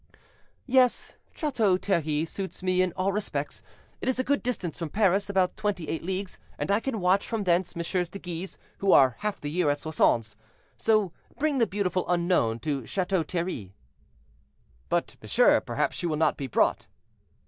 "Yes; Chateau Thierry suits me in all respects; it is a good distance from Paris, about twenty eight leagues, and I can watch from thence MM. de Guise, who are half the year at Soissons. So bring the beautiful unknown to Chateau Thierry." "But, monsieur, perhaps she will not be brought."